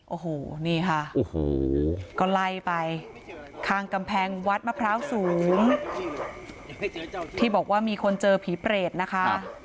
โอ้โหนี่ค่ะโอ้โหก็ไล่ไปข้างกำแพงวัดมะพร้าวสูงที่บอกว่ามีคนเจอผีเปรตนะคะ